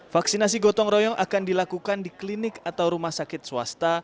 vaksinasi gotong royong akan dilakukan di klinik atau rumah sakit swasta